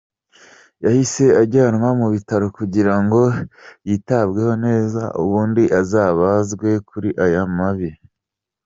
yahise ajyanwa mu bitaro kugira ngo yitabweho neza ubundi abazwe kuri aya mabi.